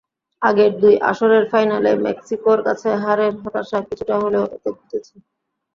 আগের দুই আসরের ফাইনালে মেক্সিকোর কাছে হারের হতাশা কিছুটা হলেও এতে ঘুচেছে।